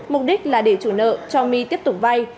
mục đích là để chủ nợ cho my tiếp tục vay